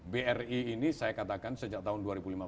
bri ini saya katakan sejak tahun dua ribu lima belas